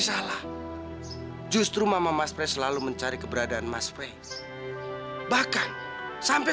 mas freddy salah justru mama mas freddy selalu mencari keberadaan mas freddy bahkan sampai